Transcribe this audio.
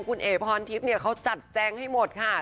คุณเอ๋พรทิพย์เนี่ยเขาจัดแจงให้หมดค่ะ